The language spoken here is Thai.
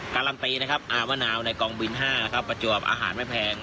การันตีนะครับอามะนาวในกองบิน๕นะครับประจวบอาหารไม่แพง